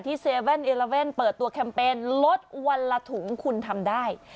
๗๑๑เปิดตัวแคมเปญลดวันละถุงคุณทำได้